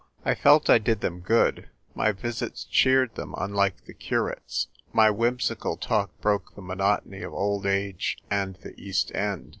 I felt I did them good : my visits cheered them, unlike the curate's ; my whimsical talk broke the monotony of old age and the East End.